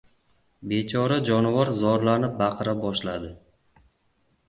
Bechora jonivor zorlanib baqira boshladi.